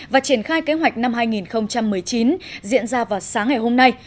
và triển khai kế hoạch năm hai nghìn một mươi chín diễn ra vào sáng ngày hôm nay